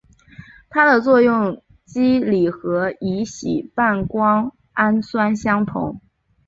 它的作用机理和乙酰半胱氨酸相同。